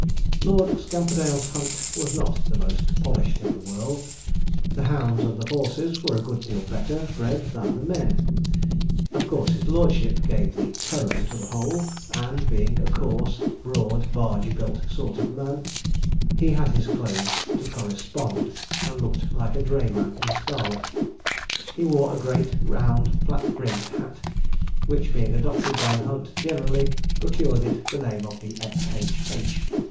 Lord Scamperdale's hunt was not the most polished in the world. The hounds and the horses were a good deal better bred than the men. Of course his lordship gave the tone to the whole; and being a coarse, broad, barge built sort of man, he had his clothes to correspond, and looked like a drayman in scarlet. He wore a great round flat brimmed hat, which being adopted by the hunt generally, procured it the name of the 'F.H.H.